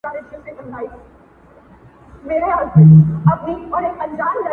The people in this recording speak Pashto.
• منظور مشر -